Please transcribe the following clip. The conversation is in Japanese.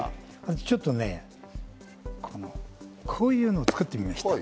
ちょっとこういうのを作ってみました。